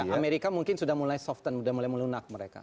amerika mungkin sudah mulai soften sudah mulai melunak mereka